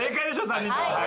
３人とも。